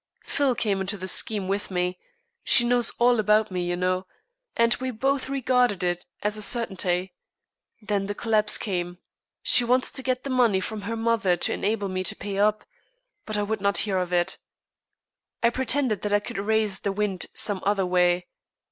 Phil came into the scheme with me she knows all about me, you know and we both regarded it as a certainty. Then the collapse came. She wanted to get the money from her mother to enable me to pay up, but I would not hear of it. I pretended that I could raise the wind some other way.